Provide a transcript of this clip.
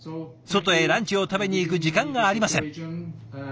外へランチを食べに行く時間がありません。